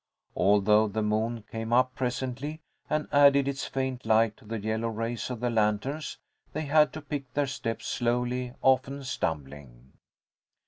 Although the moon came up presently and added its faint light to the yellow rays of the lanterns, they had to pick their steps slowly, often stumbling.